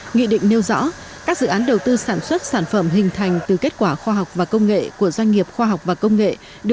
nghị định nêu rõ các dự án đầu tư sản xuất sản phẩm hình thành từ kết quả khoa học và công nghệ